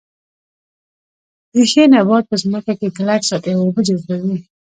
ریښې نبات په ځمکه کې کلک ساتي او اوبه جذبوي